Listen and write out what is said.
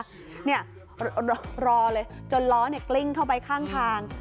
รอเลยจนล้อเนี่ยกลิ้งเข้าไปข้างทาง